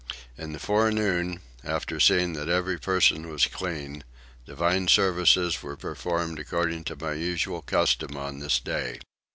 In the forenoon, after seeing that every person was clean, divine service was performed according to my usual custom on this day.